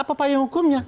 apa yang hukumnya